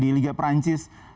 di liga prancis